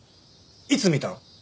いつ見たの？